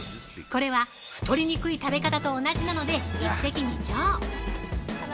これは、太りにくい食べ方と同じなので、一石二鳥。